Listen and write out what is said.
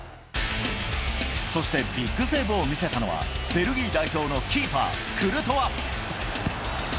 そしてビッグセーブを見せたのは、ベルギー代表のキーパー、クルトワ。